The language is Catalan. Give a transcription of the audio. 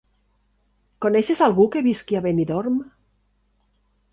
Coneixes algú que visqui a Benidorm?